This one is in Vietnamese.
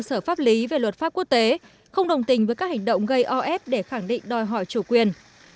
cơ sở pháp lý về luật pháp quốc tế không đồng tình với các hành động gây o ép để khẳng định đòi hỏi chủ quyền